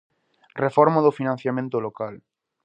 Reforma do financiamento local.